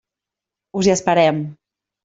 Us hi esperem!